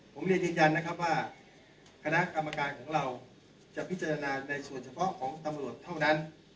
ผมเรียนยืนยันนะครับว่าคณะกรรมการของเราจะพิจารณาในส่วนเฉพาะของตำรวจเท่านั้น